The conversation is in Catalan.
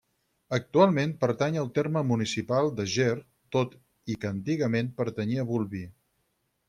Actualment pertany al terme municipal de Ger tot i que antigament pertanyia a Bolvir.